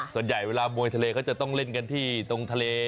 ส่วนใหญ่เวลามวยทะเลก็จะต้องเล่นกันที่ตรงทะเล